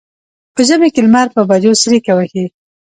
په ژمي کې لمر په بجو څریکه وهي.